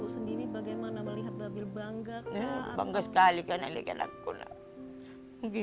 sejak masih kanak kanak babil terbiasa mandiri